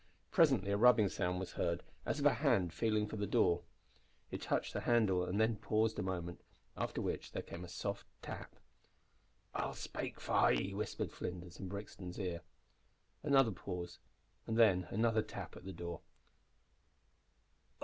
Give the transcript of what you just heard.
Presently a rubbing sound was heard, as of a hand feeling for the door. It touched the handle and then paused a moment, after which there came a soft tap. "I'll spake for ye," whispered Flinders in Brixton's ear. Another pause, and then another tap at the door.